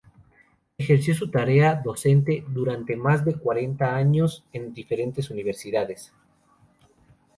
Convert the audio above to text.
Ejerció su tarea docente durante más de cuarenta años en diferentes Universidades.